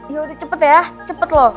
ya udah cepet ya cepet loh